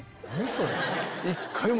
それ。